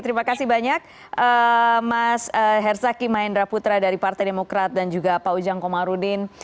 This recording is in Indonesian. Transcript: terima kasih banyak mas herzaki mahendra putra dari partai demokrat dan juga pak ujang komarudin